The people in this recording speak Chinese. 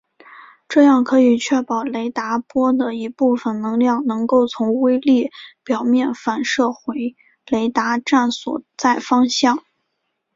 这样可以确保雷达波的一部分能量能够从微粒表面反射回雷达站所在方向。